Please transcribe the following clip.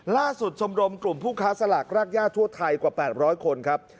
ชมรมกลุ่มผู้ค้าสลากรากย่าทั่วไทยกว่า๘๐๐คนครับ